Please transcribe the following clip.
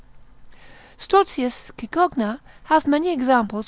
Strozzius Cicogna hath many examples, lib.